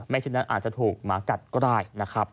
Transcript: แม่ชินด้านอาจจะถูกหมากัดก็ได้